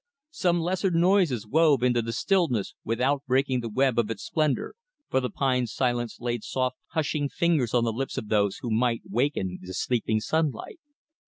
Some lesser noises wove into the stillness without breaking the web of its splendor, for the pine silence laid soft, hushing fingers on the lips of those who might waken the sleeping sunlight.